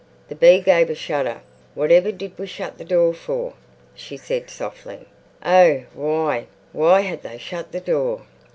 The bee gave a shudder. "Whatever did we shut the door for?" she said softly. Oh, why, why had they shut the door?